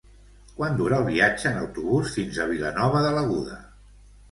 Quant dura el viatge en autobús fins a Vilanova de l'Aguda?